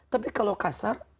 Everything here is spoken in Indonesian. tapi kalau kasar